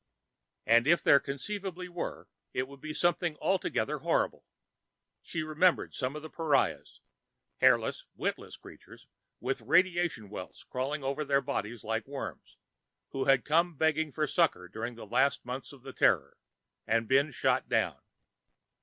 And if there conceivably were, it would be something altogether horrible. She remembered some of the pariahs hairless, witless creatures, with radiation welts crawling over their bodies like worms, who had come begging for succor during the last months of the Terror and been shot down.